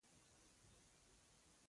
اوبه بې له ککړتیا نه باید وڅښل شي.